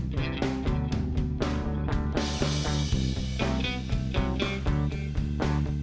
bel garbage cabang fakta